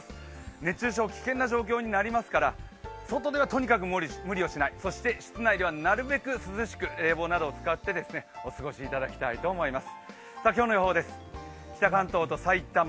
熱中症、危険な状況になりますから外ではとにかく無理しない、そして室内ではなるべく涼しく冷房などを使ってお過ごしいただきたいと思います。